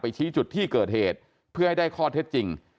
ชี้จุดที่เกิดเหตุเพื่อให้ได้ข้อเท็จจริง